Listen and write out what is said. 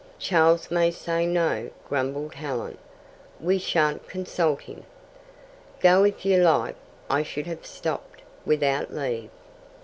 "Charles may say no," grumbled Helen. "We shan't consult him." "Go if you like; I should have stopped without leave."